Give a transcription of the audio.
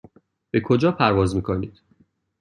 به کجا پرواز میکنید؟